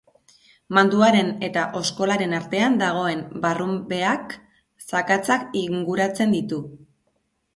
Mantuaren eta oskolaren artean dagoen barrunbeak zakatzak inguratzen ditu.